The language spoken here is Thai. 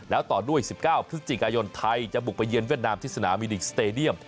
แล้วต่อด้วย๑๙พฤศจิกายนไทยจะบุกไปเยือนเวียดนามที่สนามมิลิกสเตดียม